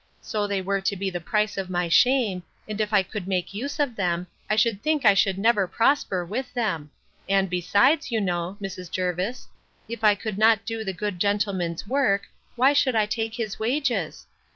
So they were to be the price of my shame, and if I could make use of them, I should think I should never prosper with them; and, besides, you know, Mrs. Jervis, if I would not do the good gentleman's work, why should I take his wages?